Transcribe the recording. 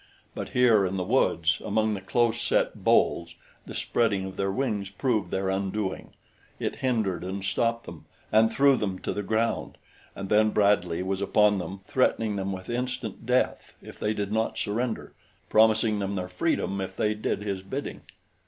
But here in the woods, among the close set boles, the spreading of their wings proved their undoing it hindered and stopped them and threw them to the ground, and then Bradley was upon them threatening them with instant death if they did not surrender promising them their freedom if they did his bidding.